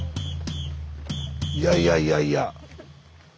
いやいやいやいや。